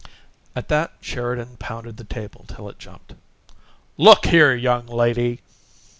At that Sheridan pounded the table till it jumped. "Look here, young lady!"